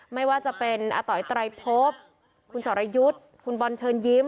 ไม่ว่าจะเป็นอาต๋อยไตรพบคุณสรยุทธ์คุณบอลเชิญยิ้ม